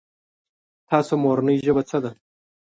تاسو مورنۍ ژبه څه ده ؟